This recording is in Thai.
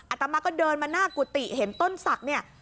ตมาก็เดินมาหน้ากุฏิเห็นต้นศักดิ์เนี่ย